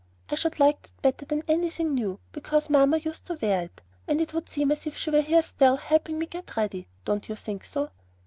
I should like that better than anything new, because mamma used to wear it, and it would seem as if she were here still, helping me to get ready. Don't you think so?"